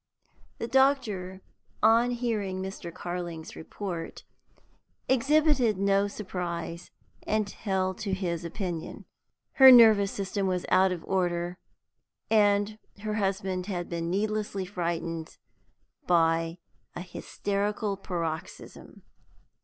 The doctor, on hearing Mr. Carling's report, exhibited no surprise and held to his opinion. Her nervous system was out of order, and her husband had been needlessly frightened by a hysterical paroxysm.